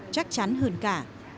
chắc chắn hơn cả